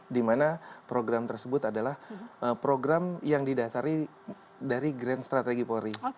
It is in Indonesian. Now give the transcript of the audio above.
dimana program tersebut adalah program yang didasari dari grand strategy polri